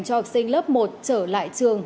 cho học sinh lớp một trở lại trường